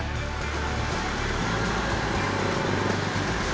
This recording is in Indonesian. pembicaraan dinas perhubungan dki jakarta